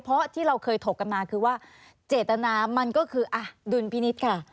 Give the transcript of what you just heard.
เพราะที่เราเคยถกกันมาคือว่าเจตนามันก็คือดุลพินิษฐ์ค่ะ